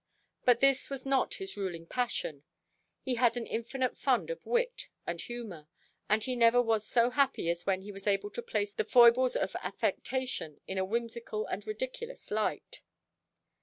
But this was not his ruling passion. He had an infinite fund of wit and humour, and he never was so happy as when he was able to place the foibles of affectation in a whimsical and ridiculous light.